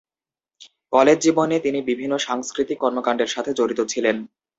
College জীবনে তিনি বিভিন্ন সাংস্কৃতিক কর্মকাণ্ডের সাথে জড়িত ছিলেন।